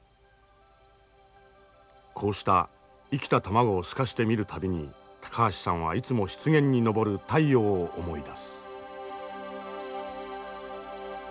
こうした生きた卵を透かして見る度に高橋さんはいつも湿原に昇る太陽を思い出す。